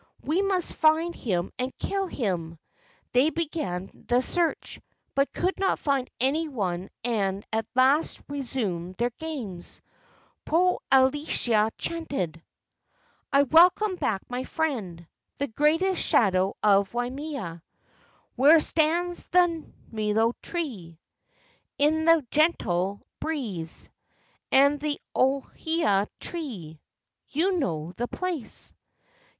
We must find him and kill him." They began the search, but could not find any one and at last resumed their games. Popo alaea chanted: "I welcome back my friend. The great shadow of Waimea, Where stands the milo tree * in the gentle breeze, And the ohia tree. You know the place."